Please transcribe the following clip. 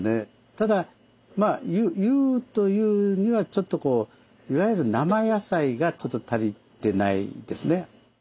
ただ「優」というにはちょっとこういわゆる生野菜が足りてないですね。